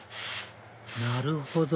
なるほど！